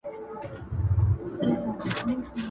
o يوه ويل کور مي تر تا جار، بل واښکى ورته وغوړاوه!